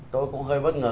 tôi cũng hơi bất ngờ